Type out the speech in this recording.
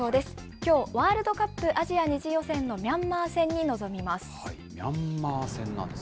きょう、ワールドカップアジア２次予選のミャンマー戦に臨みます。